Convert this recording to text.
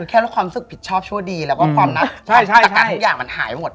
คือแค่รู้ความศึกผิดชอบชั่วดีแล้วก็ความตะกะทุกอย่างมันหายหมด